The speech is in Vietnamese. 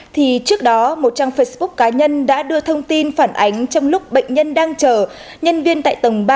thì trước đó một trang facebook cá nhân đã đưa thông tin phản ánh trong lúc bệnh nhân đang chờ nhân viên tại tầng ba